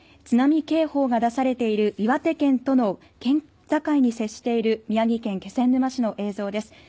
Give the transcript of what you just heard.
津波警報が出されている岩手県との県境に接している宮城県気仙沼市の映像です。